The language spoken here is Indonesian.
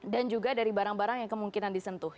dan juga dari barang barang yang kemungkinan disentuh